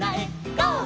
ゴー！」